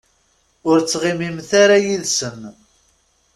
Ur ttɣimimt ara yid-sen.